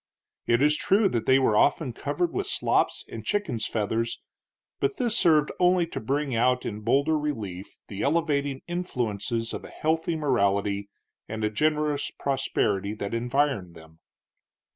It is true that they were often covered with slops and chickens' feathers, but this served only to bring out in bolder relief the elevating influences of a healthy morality and a generous prosperity that environed them.